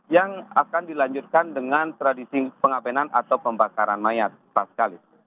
yang akan dilanjutkan dengan tradisi pengabenan atau pembakaran mayat pak kalis